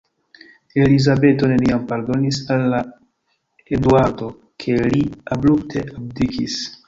Elizabeto neniam pardonis al Eduardo, ke li abrupte abdikis.